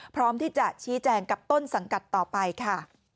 พร้อมที่จะชี้แจงกับต้นสังกัดต่อไปค่ะ